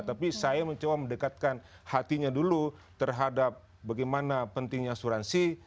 tapi saya mencoba mendekatkan hatinya dulu terhadap bagaimana pentingnya asuransi